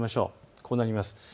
こうなります。